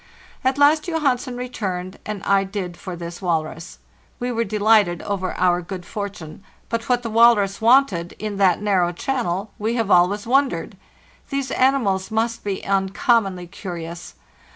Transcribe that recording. At last Johansen returned, and I did for this walrus. We were delighted over our good fortune; but what the walrus wanted in that narrow channel we have always wondered. 'These animals must be uncommonly curious.